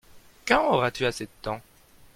Quand auras-tu assez de temps ?